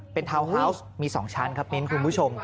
เป็นทาวน์ฮาวส์มี๒ชั้นครับมิ้นคุณผู้ชม